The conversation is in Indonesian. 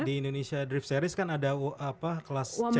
di indonesia drift series kan ada kelas ceweknya